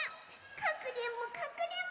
かくれんぼかくれんぼ！